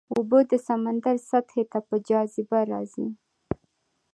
اوبه د سمندر سطحې ته په جاذبه راځي.